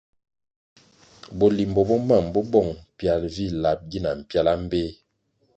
Bolimbo mam bo bong pial vi lab gina mpiala mbpéh.